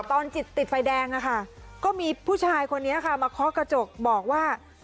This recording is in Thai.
ตอนจิตติดไฟแดงอะค่ะก็มีผู้ชายคนนี้ค่ะมาเคาะกระจกบอกว่า